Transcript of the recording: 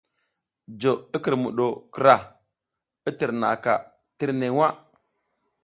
Jo i kǝrmuɗo krah i tǝrnaʼaka kǝrnek nwa.